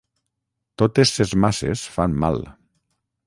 Totes ses masses fan mal